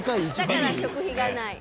だから食費がない。